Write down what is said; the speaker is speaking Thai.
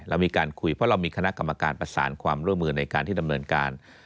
เรามีการคุยเพราะเรามีคณะกรรมการประสานความร่วมมือในการที่ดำเนินการ